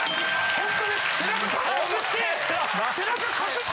ホントです。